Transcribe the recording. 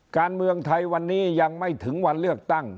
การเมืองไทยวันนี้ยังไม่ถึงวันเลือกตั้ง